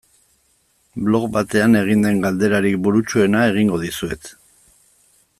Blog batean egin den galderarik burutsuena egingo dizuet.